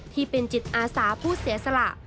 ที่เป็นจิตอาสาผู้เสียสละ